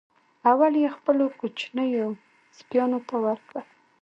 اول یې خپلو کوچنیو سپیانو ته ورکړه.